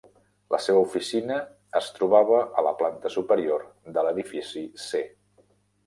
La seva oficina es trobava a la planta superior de l'edifici C.